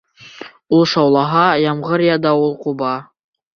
Ул шаулаһа, ямғыр йә дауыл ҡуба.